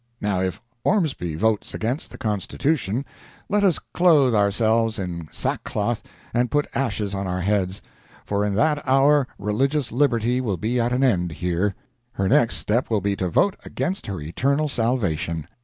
Now if Ormsby votes against the Constitution, let us clothe ourselves in sackcloth and put ashes on our heads; for in that hour religious liberty will be at an end here—her next step will be to vote against her eternal salvation.